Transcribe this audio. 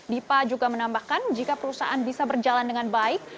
dipa juga menambahkan jika perusahaan bisa berjalan dengan baik